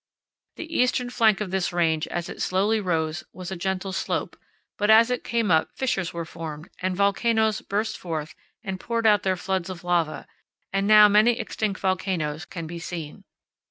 The eastern flank of this range as it slowly rose was a gentle slope, but as it came up fissures were formed and volcanoes burst forth and poured out their floods of lava, and now many extinct volcanoes can be seen.